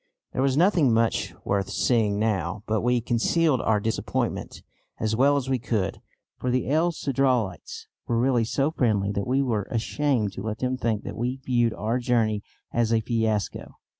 There was nothing much worth seeing now, but we concealed our disappointment as well as we could, for the El Cedralites were really so friendly that we were ashamed to let them think that we viewed our journey as a fiasco.